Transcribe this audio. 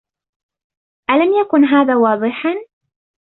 الم یکن هذا واضحا؟